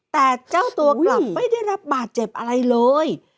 แต่เจ้าตัวกลับไม่ได้รับบาดเจ็บอะไรเลย